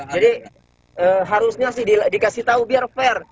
jadi harusnya sih dikasih tahu biar fair